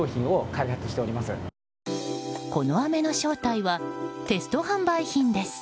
この飴の正体はテスト販売品です。